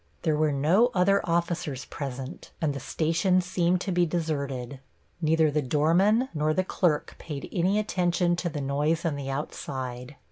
There were no other officers present, and the station seemed to be deserted. Neither the doorman nor the clerk paid any attention to the noise on the outside.